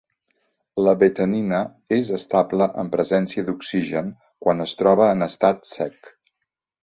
La betanina és estable en presència d'oxigen quan es troba en estat sec.